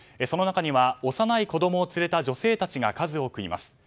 その中には幼い子供を連れた女性たちが数多くいます。